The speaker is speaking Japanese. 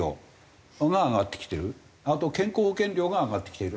あと健康保険料が上がってきてる。